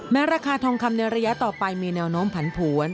ราคาทองคำในระยะต่อไปมีแนวโน้มผันผวน